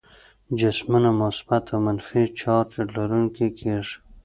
جسمونه مثبت او منفي چارج لرونکي کیږي.